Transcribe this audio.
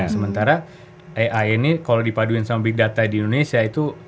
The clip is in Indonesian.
sementara ai ini kalau dipaduin sama big data di indonesia itu